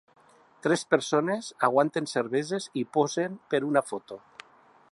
Tres persones aguanten cerveses i posen per una foto.